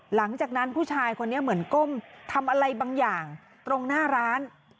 หลังจากนั้นผู้ชายคนนี้เหมือนก้มทำอะไรบางอย่างตรงหน้าร้าน